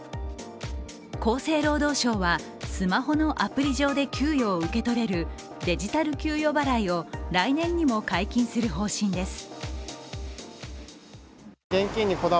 厚生労働省はスマホのアプリ上で給与を受け取れるデジタル給与払いを来年にも解禁する方針です。